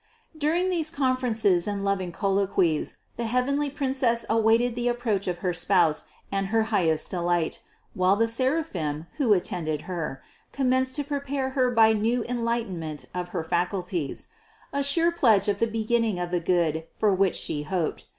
731. During these conferences and loving colloquies the heavenly Princess awaited the approach of her Spouse and her highest delight, while the seraphim, who attended Her, commenced to prepare Her by new en lightenment of her faculties ; a sure pledge of the begin ning of the Good for which She hoped.